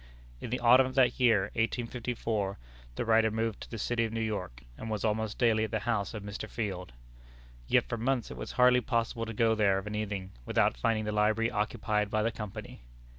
In the autumn of that year, 1854, the writer removed to the city of New York, and was almost daily at the house of Mr. Field. Yet for months it was hardly possible to go there of an evening without finding the library occupied by the Company.